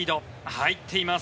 入っています。